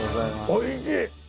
おいしい！